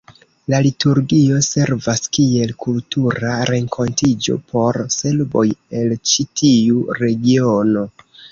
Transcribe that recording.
La liturgio servas kiel kultura renkontiĝo por serboj el ĉi tiu regiono.